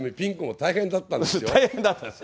大変だったんですか？